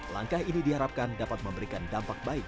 langkah ini diharapkan dapat memberikan dampak baik